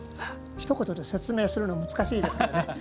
ひと言で説明するのは難しいですけどね。